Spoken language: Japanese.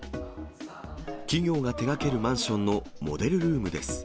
企業が手掛けるマンションのモデルルームです。